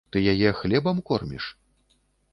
Ты яе хлебам корміш?